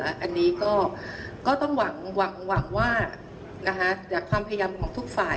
อันนี้ก็ต้องหวังว่าจากความพยายามของทุกฝ่าย